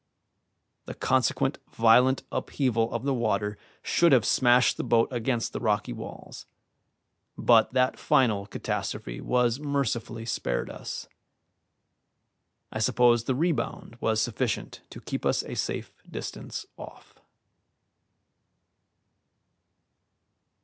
The consequent violent upheaval of the water should have smashed the boat against the rocky walls, but that final catastrophe was mercifully spared us. I suppose the rebound was sufficient to keep us a safe distance off.